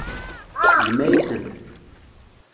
Jmeɛ-iten.